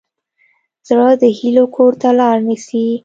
زړه د هیلو کور ته لار نیسي.